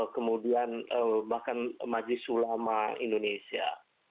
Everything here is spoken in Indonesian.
kemudian bahkan majlis ulama indonesia